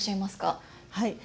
はい。